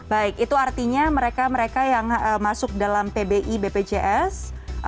baik itu artinya mereka mereka yang masuk dalam pbi bpjs